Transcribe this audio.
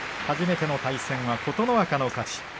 初めての対戦は琴ノ若の勝ち。